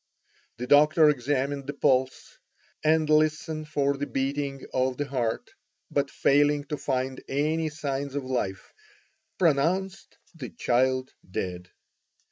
The doctor examined the pulse, and listened for the beating of the heart, but failing to find any signs of life, pronounced the child dead.